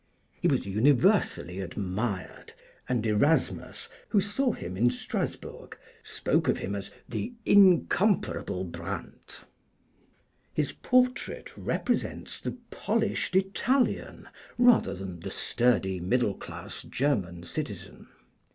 He was universally admired, and Erasmus, who saw him in Strassburg, spoke of him as the "incomparable Brandt." His portrait represents the polished Italian rather than the sturdy middle class German citizen.